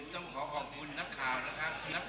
ต้องขอขอบคุณนักข่าวนะครับ